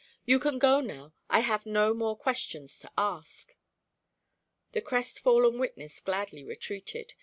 You can go now. I have no more questions to ask." The crestfallen witness gladly retreated.